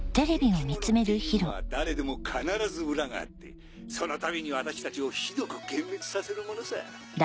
人気者っていうのは誰でも必ず裏があってそのたびに私たちをひどく幻滅させるものさ。